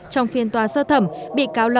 trong phiên tòa sơ thẩm bị cáo lợi